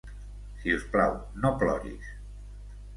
Si us plau, no ploris.